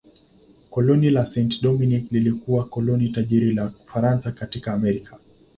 Koloni la Saint-Domingue lilikuwa koloni tajiri la Ufaransa katika Amerika.